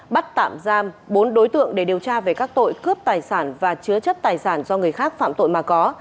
bắt tạm giam bốn đối tượng để điều tra về các tội cướp tài sản và chứa chất tài sản do người khác phạm tội mà có